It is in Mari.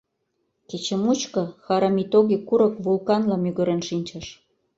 Кече мучко Харамитоги курык вулканла мӱгырен шинчыш.